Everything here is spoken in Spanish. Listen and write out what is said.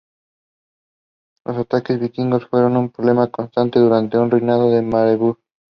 Los ataques vikingos fueron un problema constante durante el reinado de Maredudd.